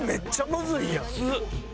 むずっ！